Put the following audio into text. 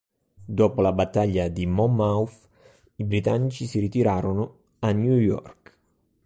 Dopo la battaglia di Monmouth i britannici si ritirarono a New York.